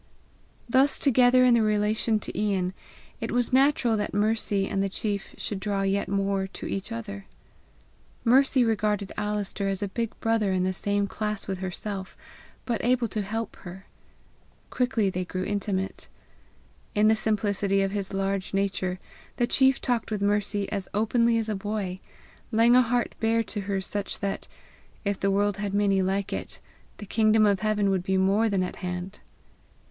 Thus together in their relation to Ian, it was natural that Mercy and the chief should draw yet more to each other. Mercy regarded Alister as a big brother in the same class with herself, but able to help her. Quickly they grew intimate. In the simplicity of his large nature, the chief talked with Mercy as openly as a boy, laying a heart bare to her such that, if the world had many like it, the kingdom of heaven would be more than at hand.